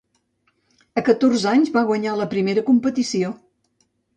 A catorze anys va guanyar la primera competició.